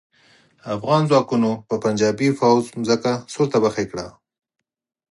افغان ځواکونو پر پنجاپي پوځ ځمکه سور تبخی کړه.